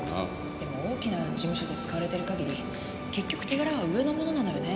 でも大きな事務所で使われてる限り結局手柄は上のものなのよね。